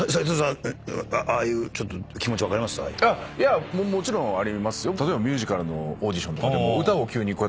もちろんありますよ。